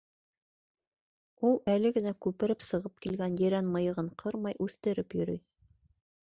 Ул әле генә күпереп сығып килгән ерән мыйығын ҡырмай, үҫтереп йөрөй.